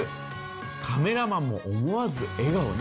カメラマンも思わず笑顔に？